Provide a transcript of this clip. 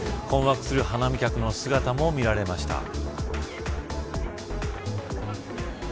困惑する花見客の姿も見られました。